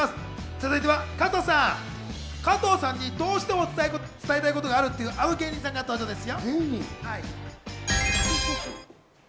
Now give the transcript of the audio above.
続いては加藤さんにどうしても伝えたいことがあるっていう、あの芸人さんが登場です。